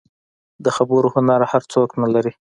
د خبرو هنر هر څوک نه لري.